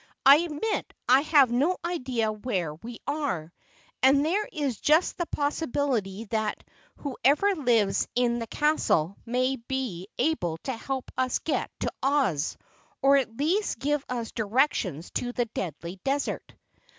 "I admit I have no idea where we are, and there is just the possibility that whoever lives in that castle may be able to help us get to Oz, or at least give us directions to the Deadly Desert."